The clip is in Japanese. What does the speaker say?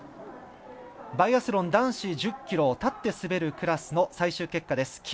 バイアスロン男子１０ｋｍ立って滑るクラスの最終結果です。